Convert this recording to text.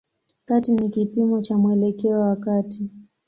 Kati ni kipimo cha mwelekeo wa kati.